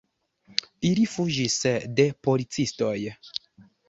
Ili fuĝis de policistoj.